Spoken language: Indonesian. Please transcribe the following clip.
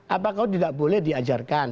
apa kau tidak boleh diajarkan